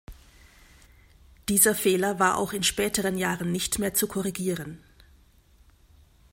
Dieser Fehler war auch in späteren Jahren nicht mehr zu korrigieren.